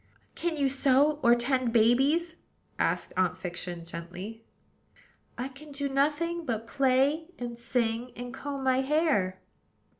"Can you sew, or tend babies?" asked Aunt Fiction gently. "I can do nothing but play and sing, and comb my hair."